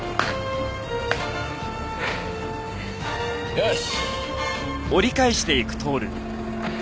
よし。